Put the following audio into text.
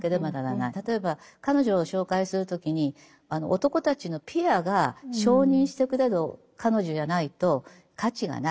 例えば彼女を紹介する時に男たちのピアが承認してくれる彼女じゃないと価値がない。